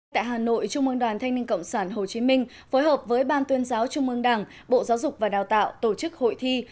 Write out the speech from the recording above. tại hà nội trung ương đoàn thanh niên cộng sản hồ chí minh phối hợp với ban tuyên giáo trung ương đảng bộ giáo dục và đào tạo tổ chức hội thi